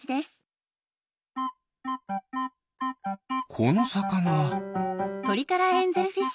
このさかな。